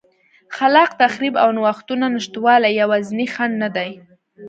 خلاق تخریب او نوښتونو نشتوالی یوازینی خنډ نه دی.